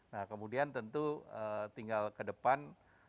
nah kemudian tentu tinggal kedepan